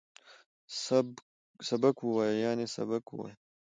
سبک وویه ، یعنی سبق ووایه